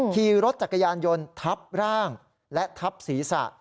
ขี่รถจักรยานยนต์ทับร่างและทับศีรษะ